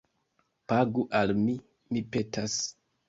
Pagu al mi, mi petas